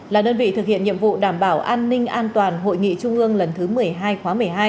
là đơn vị thực hiện nhiệm vụ đảm bảo an ninh an toàn hội nghị trung ương lần thứ một mươi hai khóa một mươi hai